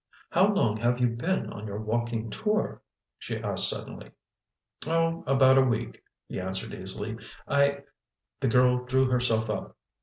"How long have you been on your walking tour?" she asked suddenly. "Oh, about a week," he answered easily. "I—" The girl drew herself up.